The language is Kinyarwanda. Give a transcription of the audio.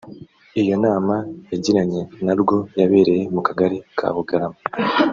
Iyo nama yagiranye na rwo yabereye mu kagari ka Bugarama